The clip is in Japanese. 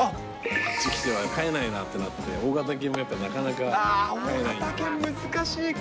こっち来て飼えないなと思って、大型犬もやっぱなかなか飼えないので。